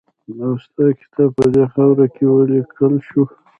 اوستا کتاب په دې خاوره کې ولیکل شو